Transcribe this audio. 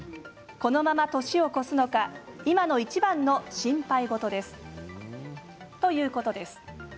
このまま年を越すのか今のいちばんの心配事ですということです。